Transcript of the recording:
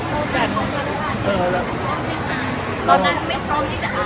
ช่องความหล่อของพี่ต้องการอันนี้นะครับ